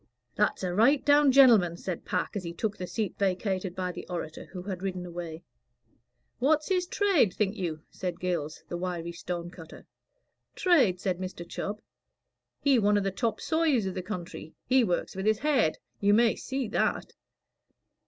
"That's a right down genelman," said Pack, as he took the seat vacated by the orator, who had ridden away. "What's his trade, think you?" said Gills, the wiry stone cutter. "Trade?" said Mr. Chubb. "He one of the top sawyers of the country. He works with his head, you may see that."